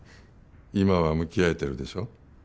今は向き合えてるでしょ？